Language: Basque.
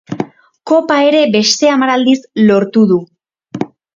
Kopa ere beste hamar aldiz lortu du.